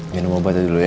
minum obat dulu ya